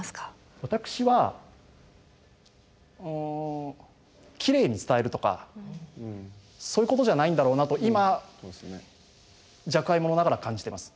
私はきれいに伝えるとかそういうことじゃないんだろうなと今若輩者ながら感じてます。